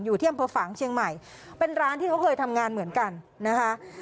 อยู่ที่อำเภอฝางเชียงใหม่เป็นร้านที่เขาเคยทำงานเหมือนกันนะคะ